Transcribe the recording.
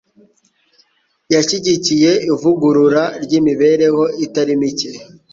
Yashyigikiye ivugurura ry’imibereho itari mike.